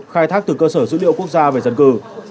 khai thác từ cơ sở dữ liệu quốc gia về dân cư